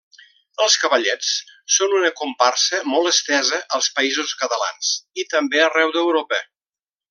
Els cavallets són una comparsa molt estesa als Països Catalans i també arreu d’Europa.